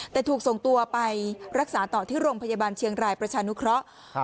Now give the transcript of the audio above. แต่ถูกส่งตัวไปรักษาต่อที่โรงพยาบาลเชียงรายประชานุเคราะห์